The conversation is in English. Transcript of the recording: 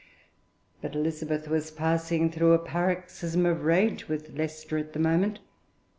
But Elizabeth was passing through a paroxysm of rage with Leicester at the moment.